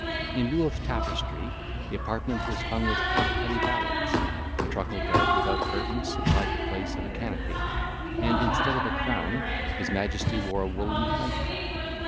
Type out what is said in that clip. In lieu of tapestry, the apartment was hung with halfpenny ballads, a truckle bed without curtains supplied the place of a canopy, and instead of a crown his majesty wore a woollen night cap.